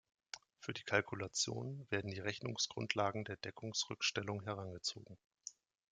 Für die Kalkulation werden die Rechnungsgrundlagen der Deckungsrückstellung herangezogen.